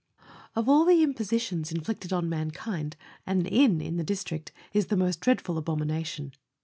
Of all the impositions inflicted on mankind an inn in the district is the most dreadful abomination.